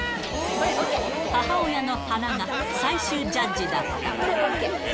母親の鼻が、最終ジャッジった。